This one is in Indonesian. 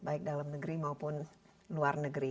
baik dalam negeri maupun luar negeri